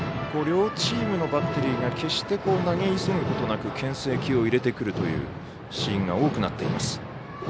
両チームのバッテリーが決して投げ急ぐことなくけん制球を入れてくるというシーンが多くなっています。